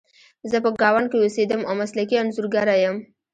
زه په ګاونډ کې اوسیدم او مسلکي انځورګره یم